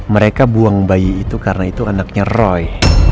mereka buang bayi itu karena itu anaknya roy